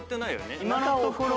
今のところ。